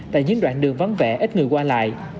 tại những đoạn đường vắng vẻ ít người qua lại